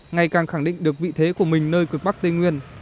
ngày càng khẳng định được vị thế của mình nơi cực bắc tây nguyên